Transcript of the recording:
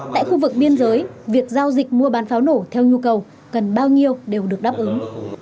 tại khu vực biên giới việc giao dịch mua bán pháo nổ theo nhu cầu cần bao nhiêu đều được đáp ứng